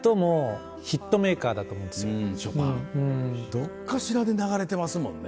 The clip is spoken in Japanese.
どっかしらで流れてますもんね。